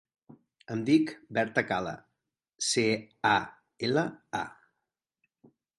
Em dic Berta Cala: ce, a, ela, a.